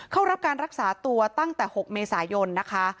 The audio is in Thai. เข้ารับการรักษาตัวตั้งแต่๖เมษายนนะคะ